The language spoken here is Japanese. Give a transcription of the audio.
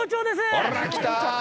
おら来た！